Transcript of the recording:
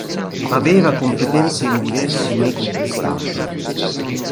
Aveva competenze in diversi metodi di stampa.